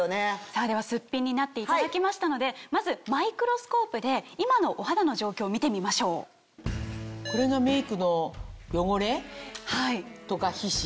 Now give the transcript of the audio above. さぁではすっぴんになっていただきましたのでまずマイクロスコープで今のお肌の状況見てみましょう。とか皮脂？